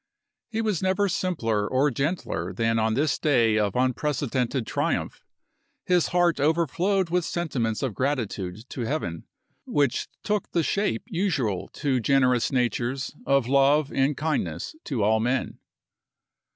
He was never Api.u,i865. simpler or gentler than on this day of unprece dented triumph; his heart overflowed with senti ments of gratitude to Heaven, which took the shape usual to generous natures, of love and kind ness to all men.